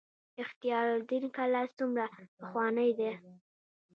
اختیار الدین کلا څومره پخوانۍ ده؟